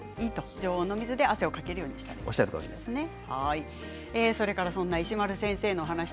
常温の水で汗をかけるようにしておくということですね。